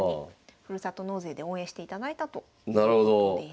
ふるさと納税で応援していただいたということです。